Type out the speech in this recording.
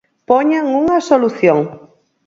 Poñan unha solución.